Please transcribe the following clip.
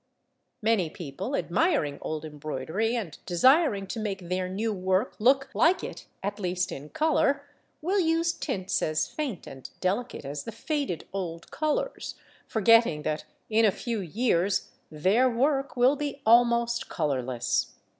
Many people, admiring old embroidery and desiring to make their new work look like it at least in colour, will use tints as faint and delicate as the faded old colours, forgetting that in a few years their work will be almost colourless.